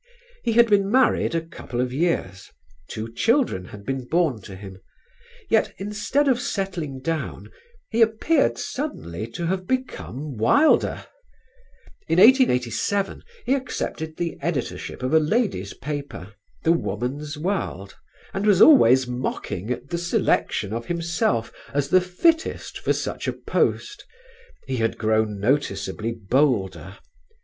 He had been married a couple of years, two children had been born to him; yet instead of settling down he appeared suddenly to have become wilder. In 1887 he accepted the editorship of a lady's paper, The Woman's World, and was always mocking at the selection of himself as the "fittest" for such a post: he had grown noticeably bolder.